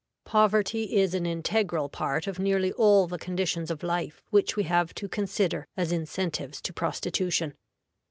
POVERTY is an integral part of nearly all the conditions of life which we have to consider as incentives to prostitution.